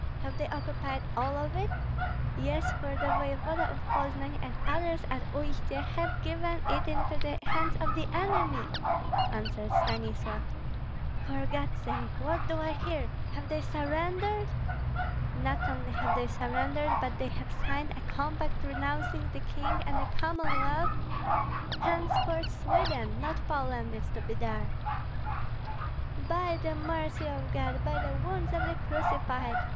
Have they occupied all of it?" "Yes, for the voevoda of Poznan and others at Uistsie have given it into the hands of the enemy," answered Stanislav. "For God's sake! What do I hear? Have they surrendered?" "Not only have they surrendered, but they have signed a compact renouncing the King and the Commonwealth. Henceforth Sweden, not Poland, is to be there." "By the mercy of God, by the wounds of the Crucified!